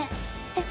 えっ？